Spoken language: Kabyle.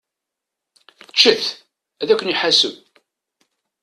Ččet! Ad ken-iḥaseb!